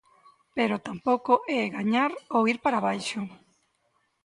Pero tampouco é gañar ou ir para abaixo.